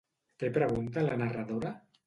Què pregunta la narradora?